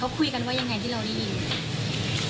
เขาคุยกันว่ายังไงที่เราได้ยิน